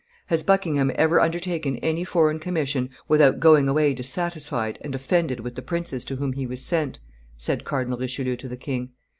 "Has Buckingham ever undertaken any foreign commission without going away dissatisfied and offended with the princes to whom he was sent?" said Cardinal Richelieu to the king.